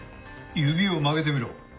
指を曲げてみろ。